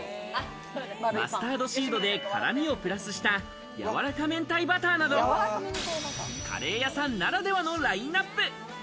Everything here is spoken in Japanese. マスタードシードで辛みをプラスした、やわらか明太バターなど、カレー屋さんならではのラインナップ。